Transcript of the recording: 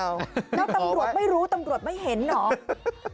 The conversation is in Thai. แล้วตำรวจไม่รู้ตำรวจไม่เห็นเหรอ